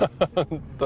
本当に。